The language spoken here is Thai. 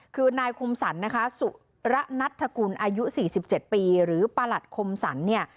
คือนายคมสรรนะคะสุระนัทธกุลอายุ๔๗ปีหรือประหลัดคมสรรเนี่ย